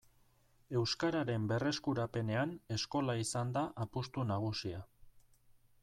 Euskararen berreskurapenean eskola izan da apustu nagusia.